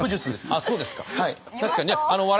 あそうですか。